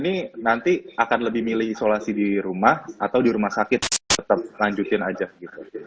ini nanti akan lebih milih isolasi di rumah atau di rumah sakit tetap lanjutin aja gitu